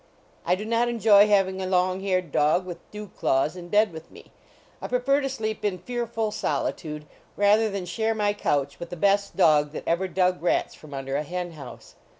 I do not enjoy having a long haired dog with dew claws, in bed with me. I prefer to sleep in "fearful solitude," rather than share my couch with the best dog that ever dug rats from under a hen house.